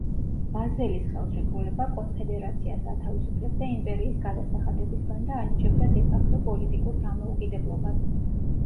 ბაზელის ხელშეკრულება კონფედერაციას ათავისუფლებდა იმპერიის გადასახადებისგან და ანიჭებდა დე-ფაქტო პოლიტიკურ დამოუკიდებლობას.